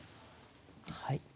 はい。